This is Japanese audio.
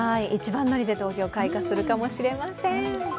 一番乗りで東京、開花するかもしれません。